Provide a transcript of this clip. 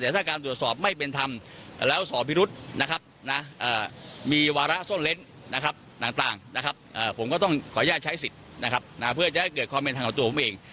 แต่ถ้าการตรวจสอบไม่เป็นธรรมแล้วสอบพิรุษนะครับมีวาระซ่อนเล้นต่างนะครับผมก็ต้องขออนุญาตใช้สิทธิ์นะครับเพื่อจะให้เกิดความเป็นธรรมกับตัวผมเอง